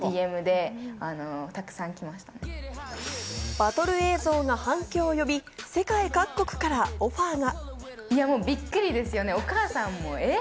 バトル映像が反響を呼び、世界各国からオファーが。